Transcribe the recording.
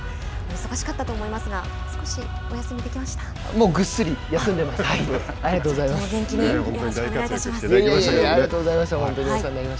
忙しかったと思いますがもうぐっすり休んでます。